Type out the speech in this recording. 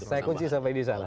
saya kunci sampai di sana